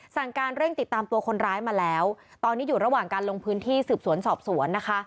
สั่งการเร่งติดตามตัวคนร้ายมาแล้วตอนนี้อยู่ระหว่างการลงพื้นที่สืบสวนสอบสวนนะคะ